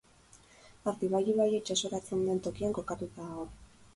Artibai ibaia itsasoratzen den tokian kokatuta dago.